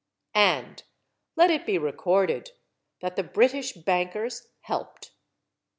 And let it be recorded that the British bankers helped.